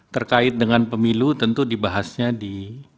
terkait dengan pemilu tentu dibahasnya di